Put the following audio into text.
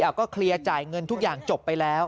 เอาก็เคลียร์จ่ายเงินทุกอย่างจบไปแล้ว